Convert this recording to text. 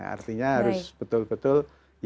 artinya harus betul betul